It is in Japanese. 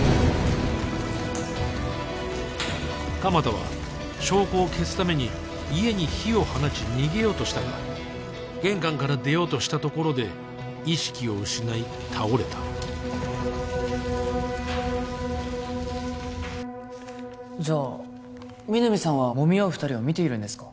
鎌田は証拠を消すために家に火を放ち逃げようとしたが玄関から出ようとしたところで意識を失い倒れたじゃ皆実さんはもみ合う二人は見ているんですか？